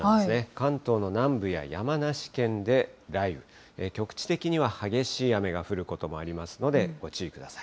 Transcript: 関東の南部や山梨県で雷雨、局地的には激しい雨が降ることもありますので、ご注意ください。